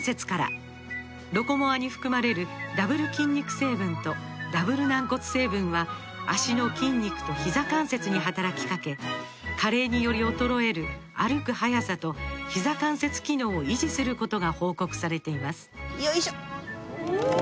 「ロコモア」に含まれるダブル筋肉成分とダブル軟骨成分は脚の筋肉とひざ関節に働きかけ加齢により衰える歩く速さとひざ関節機能を維持することが報告されていますよいしょっ！